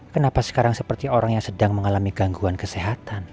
kenapa sekarang seperti orang yang sedang mengalami gangguan kesehatan